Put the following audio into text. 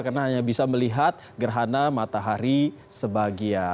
karena hanya bisa melihat gerhana matahari sebagian